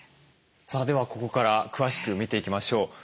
さあではここから詳しく見ていきましょう。